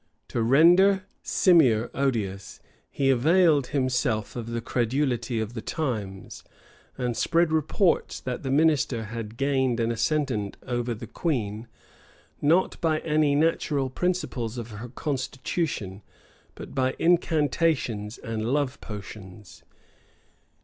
To render Simier odious, he availed himself of the credulity of the times, and spread reports, that that minister had gained an ascendant over the Queen, not by any natural principles of her constitution, but by incantations and love potions.